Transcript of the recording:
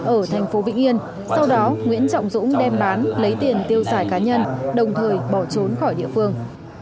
ở thành phố vĩnh yên sau đó nguyễn trọng dũng đem bán lấy tiền tiêu xài cá nhân đồng thời bỏ trốn khỏi địa phương